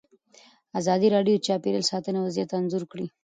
ازادي راډیو د چاپیریال ساتنه وضعیت انځور کړی.